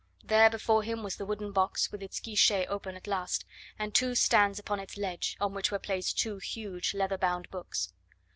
There before him was the wooden box, with its guichet open at last, and two stands upon its ledge, on which were placed two huge leather bound books.